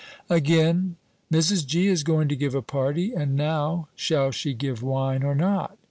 Again: Mrs. G. is going to give a party; and, now, shall she give wine, or not?